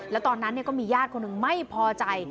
แล้วตอนนั้นก็มีญาติคนหนึ่งไม่พอใจ